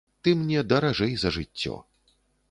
Ты мне даражэй за жыццё.